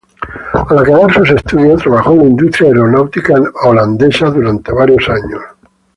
Al acabar sus estudios, trabajó en la industria aeronáutica neerlandesa durante varios años.